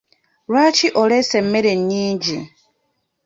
Lwaki oleese emmere nnyingi?